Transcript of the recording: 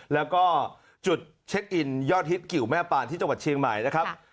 แล้วก็จุดเช็คอินยอดฮิตกิวแม่ปานที่จังหวัดเชียงใหม่นะครับ